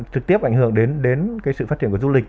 trực tiếp ảnh hưởng đến cái sự phát triển của du lịch